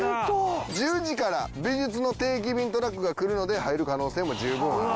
１０時から美術の定期便トラックが来るので入る可能性も十分ある。